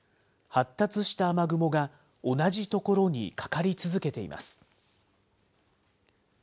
発達した雨雲が同じ所にかかり続けています。